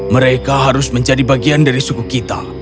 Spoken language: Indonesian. mereka harus menjadi bagian dari suku kita